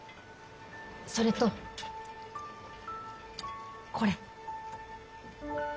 それとこれ。